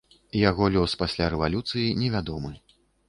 Яго лёс пасля рэвалюцыі невядомы.